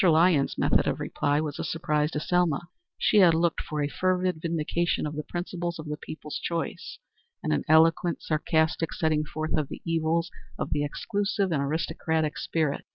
Lyons's method of reply was a surprise to Selma. She had looked for a fervid vindication of the principle of the people's choice, and an eloquent, sarcastic setting forth of the evils of the exclusive and aristocratic spirit.